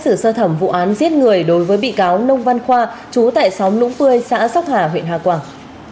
xử sơ thẩm vụ án giết người đối với bị cáo nông văn khoa chú tại xóm lũng pơi xã sóc hà huyện hà quảng